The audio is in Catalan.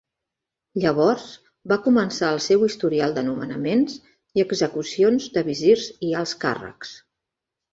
Llavors va començar el seu historial de nomenaments i execucions de visirs i alts càrrecs.